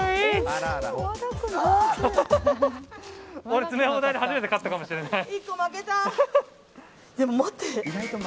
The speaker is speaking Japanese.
俺、詰め放題で初めて買ったかもしれない。